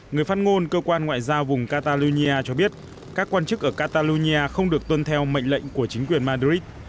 người phát ngôn cơ quan ngoại giao vùng catalonia cho biết các quan chức ở catalonia không được tuân theo mệnh lệnh của chính quyền madrid